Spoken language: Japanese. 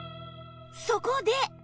そこで